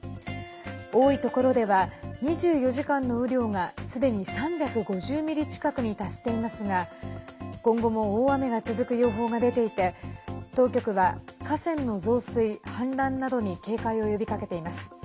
多いところでは２４時間の雨量がすでに３５０ミリ近くに達していますが今後も大雨が続く予報が出ていて当局は河川の増水、氾濫などに警戒を呼びかけています。